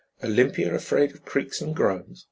Olympia afraid of creaks and groans?